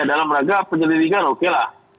dalam rangka penyelidikan oke lah